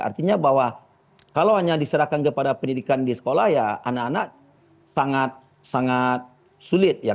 artinya bahwa kalau hanya diserahkan kepada pendidikan di sekolah ya anak anak sangat sulit ya